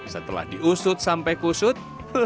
setelah diusut sampai kusut